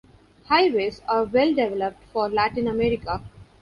Highways are well-developed for Latin America.